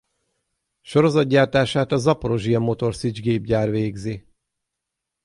Sorozatgyártását a zaporizzsja Motor Szics gépgyár végzi.